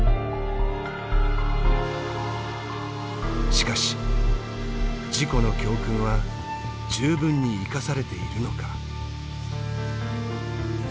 しかし事故の教訓は十分に生かされているのか。